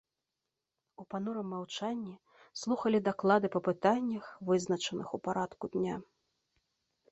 У панурым маўчанні слухалі даклады па пытаннях, вызначаных у парадку дня.